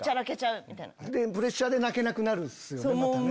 プレッシャーで泣けなくなるっすよねまたね。